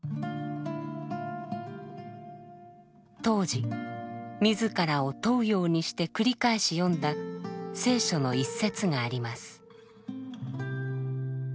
当時自らを問うようにして繰り返し読んだ聖書の一節があります。